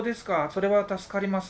それは助かります。